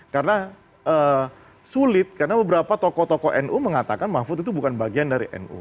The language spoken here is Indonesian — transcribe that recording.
karena sulit karena beberapa tokoh tokoh nu mengatakan mahfud itu bukan bagian dari nu